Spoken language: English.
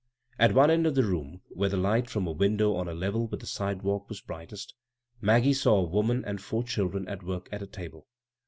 At one end of the room, where the light from a window on a level with the sidewalk was brightest, Maggie saw a woman and four children at work at a table.